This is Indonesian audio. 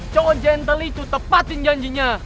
cowok gentle itu tepatin janjinya